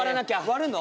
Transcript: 割るの？